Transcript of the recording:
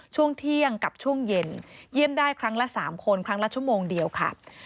ช่วงเที่ยงกับช่วงเย็นเยี่ยมได้ครั้งละ๓คนครั้งละชั่วโมงเดียวค่ะ